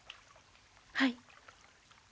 はい。